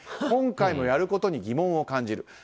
今回もやることに疑問を感じる。